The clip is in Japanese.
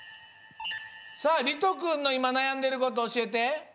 さありとくんのいまなやんでることおしえて。